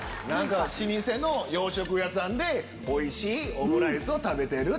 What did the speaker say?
老舗の洋食屋さんでおいしいオムライスを食べてる。